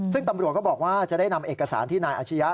ซึ่งตำรวจก็บอกว่าจะได้นำเอกสารที่นายอาชียะ